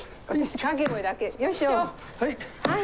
はい！